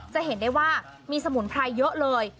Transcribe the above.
จะเห็นได้ว่ามีสมุนไพรเยอะเลย